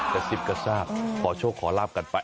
กระซิบกระซากขอโชคขอลาบกันไป